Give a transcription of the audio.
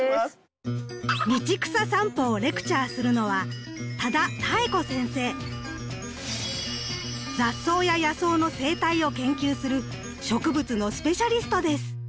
「道草さんぽ」をレクチャーするのは雑草や野草の生態を研究する植物のスペシャリストです。